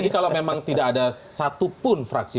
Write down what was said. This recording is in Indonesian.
jadi kalau memang tidak ada satupun fraksi